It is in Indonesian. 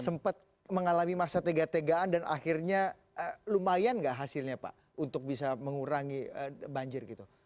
sempat mengalami masa tega tegaan dan akhirnya lumayan nggak hasilnya pak untuk bisa mengurangi banjir gitu